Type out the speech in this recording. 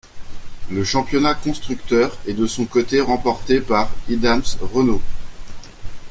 Le championnat constructeur est de son côté remporté par e-dams Renault.